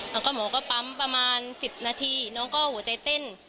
แล้วก็หมอก็ปั๊มประมาณ๑๐นาทีน้องก็หัวใจเต้น